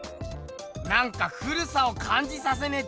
なんか古さをかんじさせねえ